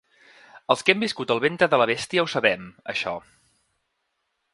Els qui hem viscut al ventre de la bèstia ho sabem, això.